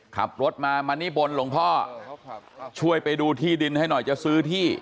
ขับรถมามานิมนต์หลวงพ่อช่วยไปดูที่ดินให้หน่อยจะซื้อที่